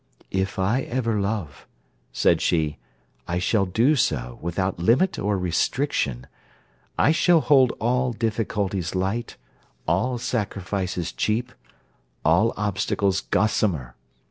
'If I ever love,' said she, 'I shall do so without limit or restriction. I shall hold all difficulties light, all sacrifices cheap, all obstacles gossamer.